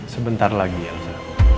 sebentar lagi elsa